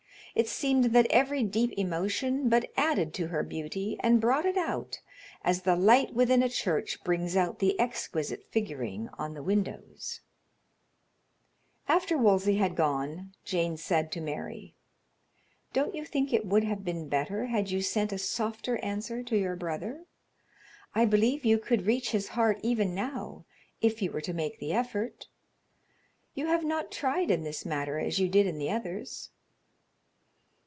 It seemed that every deep emotion but added to her beauty and brought it out, as the light within a church brings out the exquisite figuring on the windows. After Wolsey had gone, Jane said to Mary: "Don't you think it would have been better had you sent a softer answer to your brother? I believe you could reach his heart even now if you were to make the effort. You have not tried in this matter as you did in the others."